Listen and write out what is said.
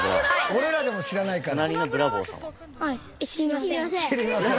俺らでも知らないから。